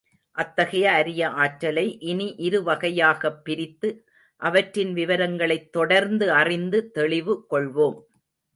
அத்தகைய அரிய ஆற்றலை, இனி இரு வகையாகப் பிரித்து, அவற்றின் விவரங்களைத் தொடர்ந்து அறிந்து, தெளிவு கொள்வோம்.